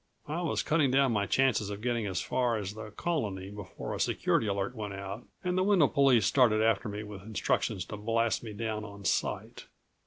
I was cutting down my chances of getting as far as the Colony, before a security alert went out, and the Wendel police started after me with instructions to blast me down on sight.